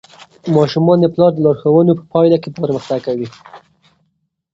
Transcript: ماشومان د پلار د لارښوونو په پایله کې پرمختګ کوي.